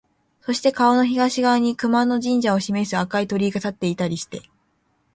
そして川の東側に熊野神社を示す赤い鳥居が立っていたりして、